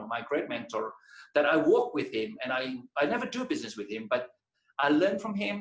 saya bekerja dengan dia dan saya tidak pernah melakukan bisnis dengan dia tapi saya belajar dari dia